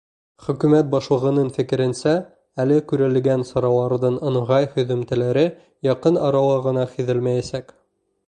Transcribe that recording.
Хөкүмәт башлығының фекеренсә, әле күрелгән сараларҙың ыңғай һөҙөмтәләре яҡын арала ғына һиҙелмәйәсәк.